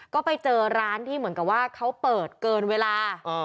ก็ไปเจอร้านที่เหมือนกับว่าเขาเปิดเกินเวลา